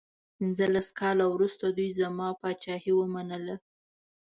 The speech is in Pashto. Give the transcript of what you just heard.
پنځلس کاله وروسته دوی زما پاچهي ومنله.